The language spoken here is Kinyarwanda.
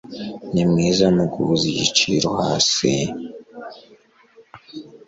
Ni mwiza muguhuza igiciro hasi.